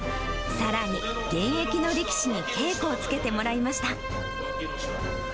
さらに、現役の力士に稽古をつけてもらいました。